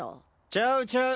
ちゃうちゃう！